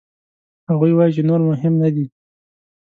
هغوی وايي چې نور مهم نه دي.